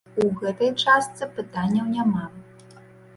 У гэтай частцы пытанняў няма.